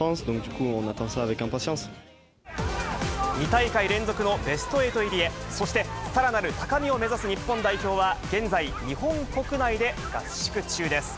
２大会連続のベスト８入りへ、そしてさらなる高みを目指す日本代表は、現在、日本国内で合宿中です。